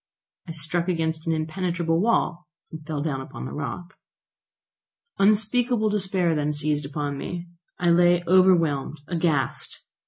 I struck against an impenetrable wall, and fell down upon the rock. Unspeakable despair then seized upon me. I lay overwhelmed, aghast!